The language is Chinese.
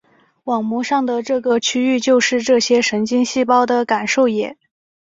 网膜上的这个区域就是这些神经细胞的感受野。